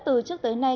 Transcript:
từ trước tới nay